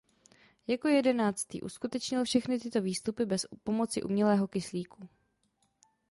Jako jedenáctý uskutečnil všechny tyto výstupy bez pomoci umělého kyslíku.